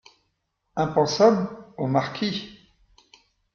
Un pensum, au marquis !…